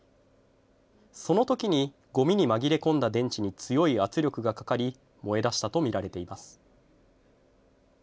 その時にごみに紛れ込んだ電池に強い圧力がかかり燃え出したとみられています。